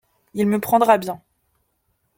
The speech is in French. Il me prendra bien…